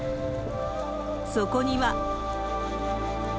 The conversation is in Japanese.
そこには。